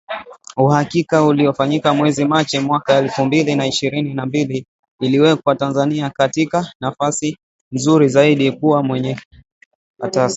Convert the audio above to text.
Uhakiki uliofanyika mwezi Machi mwaka elfu mbili na ishirini na mbili uliiweka Tanzania katika nafasi nzuri zaidi kuwa mwenyeji wa taasisi